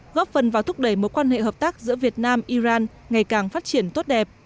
góp phần vào thúc đẩy mối quan hệ hợp tác giữa việt nam iran ngày càng phát triển tốt đẹp